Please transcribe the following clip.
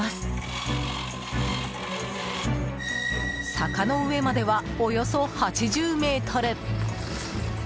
坂の上までは、およそ８０ｍ。